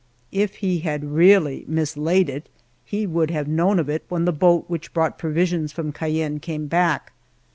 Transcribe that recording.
If he had really mislaid it, he would have known of it when the boat which brought provisions from Cayenne came back.